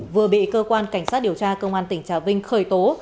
vừa bị cơ quan cảnh sát điều tra công an tỉnh trà vinh khởi tố